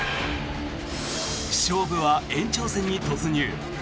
勝負は延長戦に突入。